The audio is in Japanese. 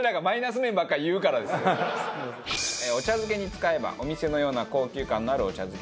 お茶漬けに使えばお店のような高級感のあるお茶漬けに。